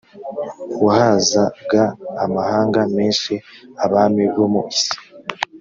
wahazaga amahanga menshi abami bo mu isi